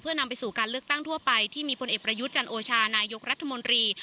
นำไปสู่การเลือกตั้งทั่วไปที่มีพลเอกประยุทธ์จันโอชานายกรัฐมนตรี